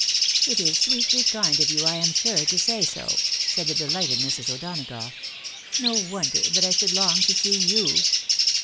" It is sweetly kind of you, I am sure, to say so," said the delighted Mrs. O'Donagough. " No wonder that I should long to see you